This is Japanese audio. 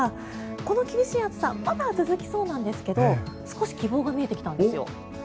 この厳しい暑さまだ続きそうなんですけど少し希望が見えてきたんですよ。